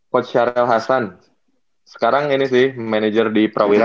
coach sharel hasan sekarang ini sih manager di prawira